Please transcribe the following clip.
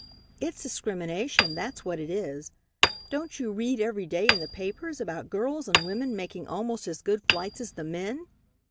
It's discrimination, that's what it is. Don't you read every day in the papers about girls and women making almost as good flights as the men?